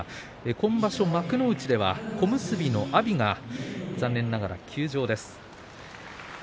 今場所幕内では小結の阿炎が残念ながら休場です。